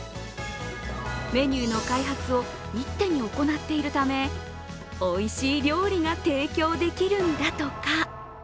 メニューの開発を一手に行っているため、おいしい料理が提供できるんだとか。